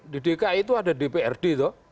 di dki itu ada dprd